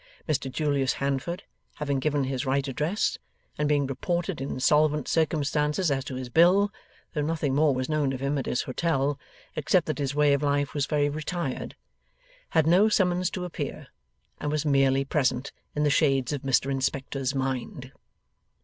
Mr Julius Handford having given his right address, and being reported in solvent circumstances as to his bill, though nothing more was known of him at his hotel except that his way of life was very retired, had no summons to appear, and was merely present in the shades of Mr Inspector's mind.